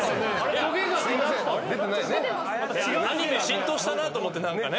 アニメ浸透したなと思ってなんかね。